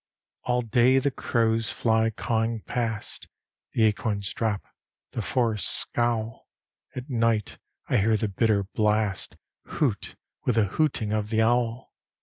All day the crows fly cawing past: The acorns drop: the forests scowl: At night I hear the bitter blast Hoot with the hooting of the owl.